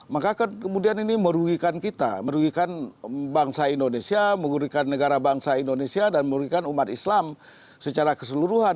maka kemudian ini merugikan kita merugikan bangsa indonesia merugikan negara bangsa indonesia dan merugikan umat islam secara keseluruhan